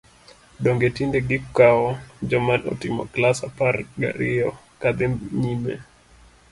Donge tinde gikawo joma otimo klas apar gariyo ka dhi nyime!